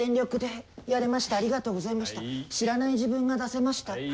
知らない自分が出せました。